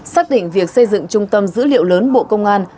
xác định việc xây dựng trung tâm dữ liệu lớn bộ công an